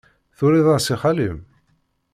Turiḍ-as i xali-m?